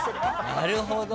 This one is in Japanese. なるほど！